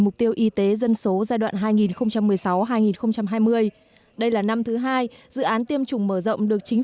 mục tiêu y tế dân số giai đoạn hai nghìn một mươi sáu hai nghìn hai mươi đây là năm thứ hai dự án tiêm chủng mở rộng được chính